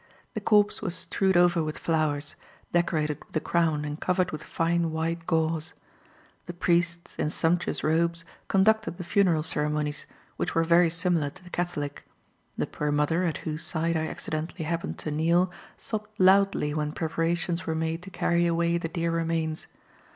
The corpse was strewed over with flowers, decorated with a crown, and covered with fine white gauze. The priests, in sumptuous robes, conducted the funeral ceremonies, which were very similar to the Catholic. The poor mother, at whose side I accidentally happened to kneel, sobbed loudly when preparations were made to carry away the dear remains.